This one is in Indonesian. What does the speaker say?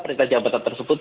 perintah jabatan tersebut